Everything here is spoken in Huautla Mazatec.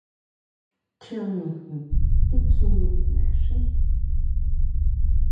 Tjíó nijin tikjineo naxíi.